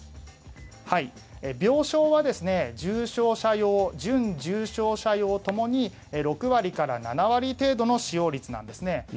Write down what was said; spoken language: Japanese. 病床は重症者用、準重症者用ともに６割から７割程度の使用率なんですね。